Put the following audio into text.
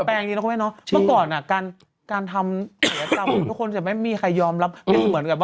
ฟิลเลอร์อย่าพึ่งนะโบท็อกแล้วก็เลเซอร์